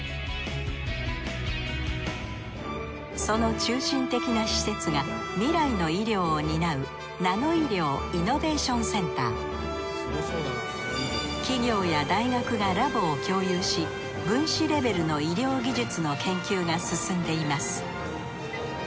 その中心的な施設が未来の医療を担う企業や大学がラボを共有し分子レベルの医療技術の研究が進んでいます。